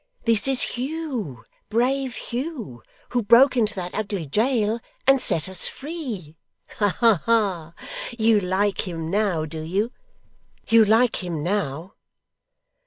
This is Hugh brave Hugh, who broke into that ugly jail, and set us free. Aha! You like him now, do you? You like him now!